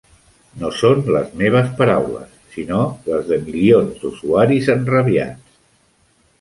No són les meves paraules, sinó les de milions d'usuaris enrabiats.